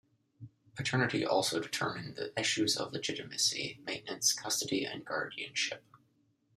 Paternity also determine the issues of legitimacy, maintenance, custody and guardianship.